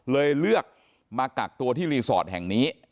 เลยเลือกมากักตัวที่รีสอร์ทแห่งนี้